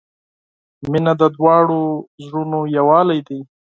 • مینه د دواړو زړونو یووالی دی.